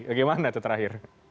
bagaimana itu terakhir